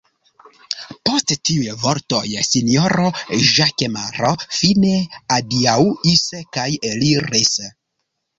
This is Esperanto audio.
Post tiuj vortoj sinjoro Ĵakemaro fine adiaŭis kaj eliris.